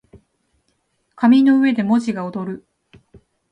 紙の上で文字が躍る